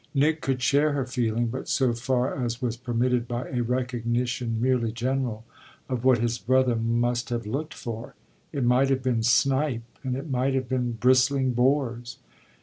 Nick could share her feeling but so far as was permitted by a recognition merely general of what his brother must have looked for. It might have been snipe and it might have been bristling boars.